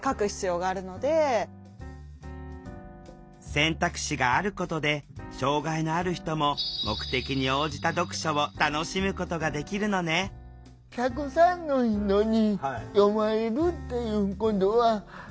選択肢があることで障害のある人も目的に応じた読書を楽しむことができるのねなるほどね。